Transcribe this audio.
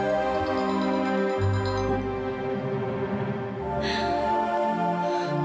apalagi sih hadir tuhan